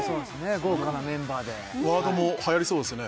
豪華なメンバーでワードもはやりそうですね